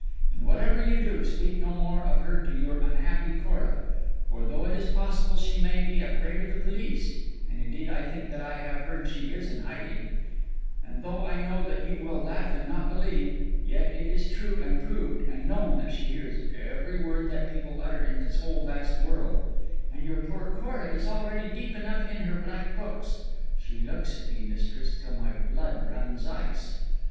And whatever you do, speak no more of her to your unhappy Cora; for though it is possible she may be afraid of the police (and indeed I think that I have heard she is in hiding), and though I know that you will laugh and not believe, yet it is true, and proved, and known that she hears every word that people utter in this whole vast world; and your poor Cora is already deep enough in her black books. She looks at me, mistress, till my blood turns ice.